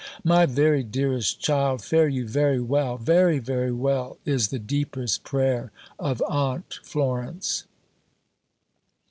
My very dearest child, fare you very well very, very well is the deepest prayer of AUNT FLORENCE.